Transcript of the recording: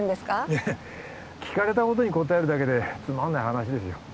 いえ聞かれたことに答えるだけでつまんない話ですよ